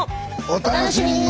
お楽しみに！